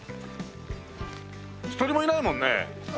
１人もいないもんね？